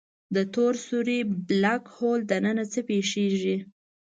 د تور سوری Black Hole دننه څه پېښېږي؟